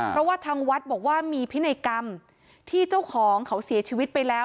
เพราะว่าทางวัดบอกว่ามีพินัยกรรมที่เจ้าของเขาเสียชีวิตไปแล้ว